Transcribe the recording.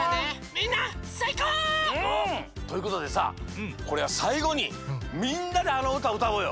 みんなさいこう！ということでささいごにみんなであのうたをうたおうよ！